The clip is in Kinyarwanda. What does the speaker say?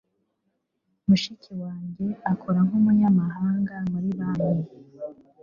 Mushiki wanjye akora nk'umunyamabanga muri banki